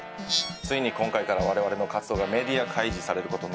ついに今回から我々の活動がメディア開示される事になりまして。